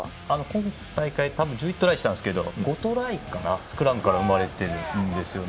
今大会多分１１トライしたんですけど５トライかな、スクラムから生まれているんですね。